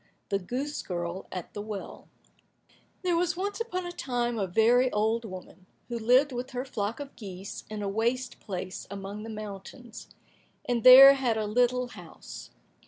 179 The Goose Girl at the Well There was once upon a time a very old woman, who lived with her flock of geese in a waste place among the mountains, and there had a little house.